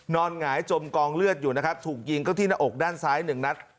หงายจมกองเลือดอยู่นะครับถูกยิงเข้าที่หน้าอกด้านซ้ายหนึ่งนัด